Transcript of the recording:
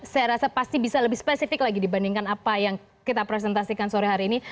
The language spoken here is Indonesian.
saya rasa pasti bisa lebih spesifik lagi dibandingkan apa yang kita presentasikan sore hari ini